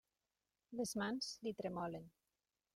Les mans li tremolen.